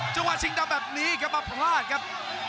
จังหวะชิงดำแบบนี้ครับมาพลาดครับ